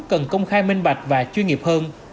cần công khai minh bạch và chuyên nghiệp hơn